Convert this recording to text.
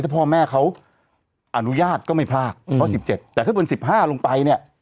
ถ้าพ่อแม่เขาอนุญาตก็ไม่พลากเพราะ๑๗แต่ถ้าเป็น๑๕ลงไปเนี่ย